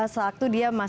selepas itu dia masih